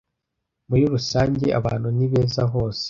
Muri rusange abantu ni beza hose